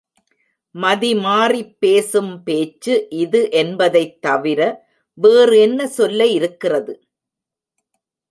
மதிமாறிப்பேசும் பேச்சு இது என்பதைத் தவிர, வேறென்ன சொல்ல இருக்கிறது?